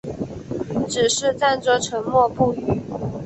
只是站着沉默不语